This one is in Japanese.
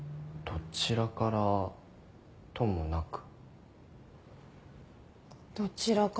どちらからともなくだよね。